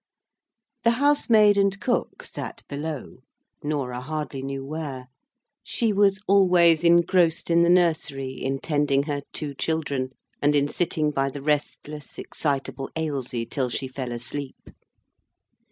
The housemaid and cook sate below, Norah hardly knew where. She was always engrossed in the nursery, in tending her two children, and in sitting by the restless, excitable Ailsie till she fell asleep.